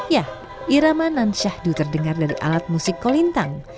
yah irama nansyah di terdengar dari alat musik kolintang